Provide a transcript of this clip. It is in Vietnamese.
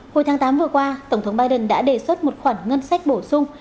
hồi tháng tám vừa qua tổng thống biden đã đề xuất một khoản ngân sách bổ sung